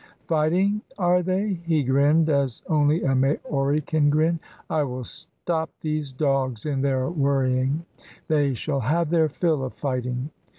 "Fighting, are they?" He grinned as only a Maori can grin. "I will stop these dogs in their worrying. They shall have their fill of fighting."